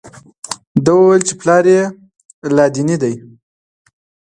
ده وویل چې پلار یې لادیني دی.